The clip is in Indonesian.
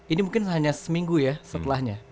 ini mungkin hanya seminggu ya setelahnya